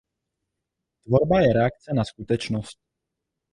Tvorba je reakce na skutečnost.